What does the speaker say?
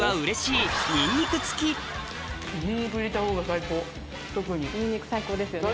さらにニンニク最高ですよね。